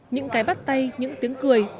những cái bắt tay những tiếng cười